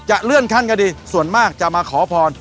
เลื่อนขั้นก็ดีส่วนมากจะมาขอพร